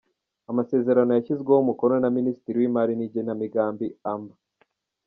Amasezerano yashyizweho umukono na Minisitiri w’Imari n’Igenamigambi, Amb.